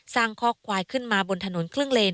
สร้างข้อควายขึ้นมาบนถนนครึ่งเลน